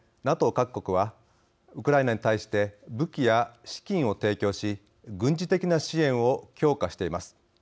各国はウクライナに対して武器や資金を提供し軍事的な支援を強化しています。